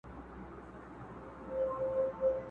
په سندرو په غزل په ترانو کي!!